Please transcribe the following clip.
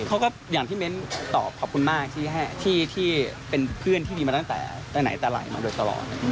เขาก็อย่างที่เม้นตอบขอบคุณมากที่เป็นเพื่อนที่มีมาตั้งแต่ไหนแต่ไหลมาโดยตลอด